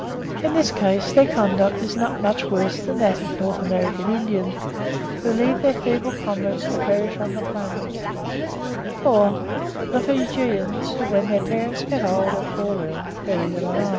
In this case their conduct is not much worse than that of the North American Indians, who leave their feeble comrades to perish on the plains; or the Fijians, who, when their parents get old, or fall ill, bury them alive.